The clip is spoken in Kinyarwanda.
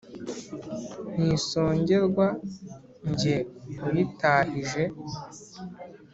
Ntisongerwa jye uyitahije